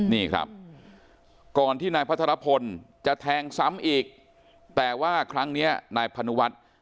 นี่ครับก่อนที่นายพัทรพลจะแทงซ้ำอีกแต่ว่าครั้งนี้นายพนุวัฒน์